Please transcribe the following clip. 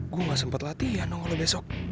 gue gak sempat latihan kalau besok